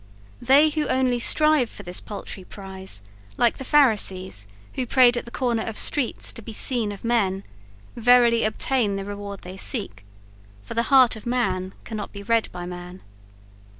They who only strive for this paltry prize, like the Pharisees, who prayed at the corners of streets, to be seen of men, verily obtain the reward they seek; for the heart of man cannot be read by man!